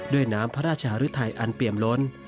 ด้วยน้ำพระราชหรือไทยอันเปี่ยมล้น